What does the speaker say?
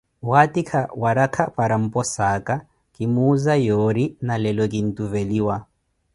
waatikha warakha para mposaaka, kimuuza yoori nalelo kintuveliwa.